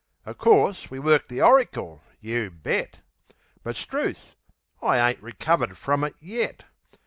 O' course we worked the oricle; you bet! But, 'struth, I ain't recovered frum it yet!